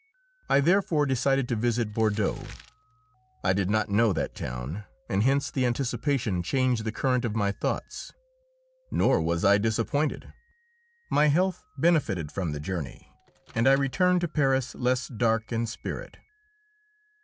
I therefore decided to visit Bordeaux. I did not know that town, and hence the anticipation changed the current of my thoughts. Nor was I disappointed. My health benefited by the journey, and I returned to Paris less dark in spirit.